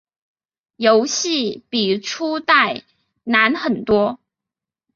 游戏比初代难很多。